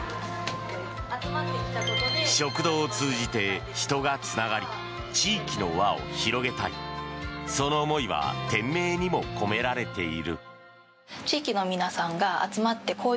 食堂を通じて人がつながり地域の輪を広げたいその思いは店名にも込められている。